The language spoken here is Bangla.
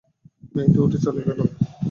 মেয়েটি উঠে চলে গেল।